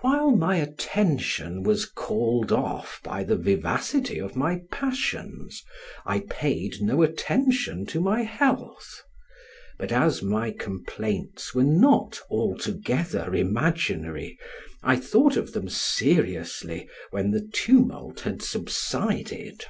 While my attention was called off by the vivacity of my passions, I paid no attention to my health; but as my complaints were not altogether imaginary, I thought of them seriously when the tumult had subsided.